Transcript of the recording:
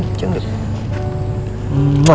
wah anak pintar